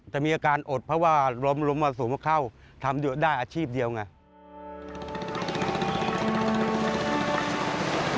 แต่มีอาการอดเพราะว่าลมลมมาสูงเข้าทำได้อาชีพเดียวไง